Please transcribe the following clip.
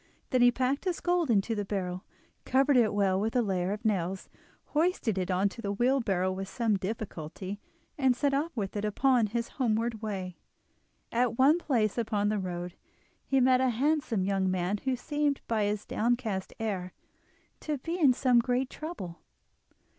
Then he packed his gold into the barrel, covered it well with a layer of nails, hoisted it on to the wheelbarrow with some difficulty, and set off with it upon his homeward way. At one place upon the road he met a handsome young man who seemed by his downcast air to be in some great trouble.